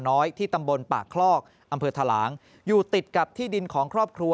น้อยที่ตำบลปากคลอกอำเภอทะหลางอยู่ติดกับที่ดินของครอบครัว